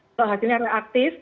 kalau hasilnya reaktif